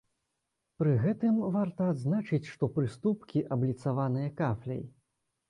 Пры гэтым варта адзначыць, што прыступкі абліцаваныя кафляй.